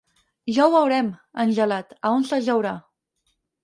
Ja ho veurem, en Gelat, a on s'ajaurà.